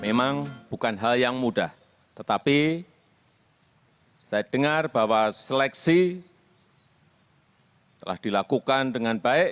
memang bukan hal yang mudah tetapi saya dengar bahwa seleksi telah dilakukan dengan baik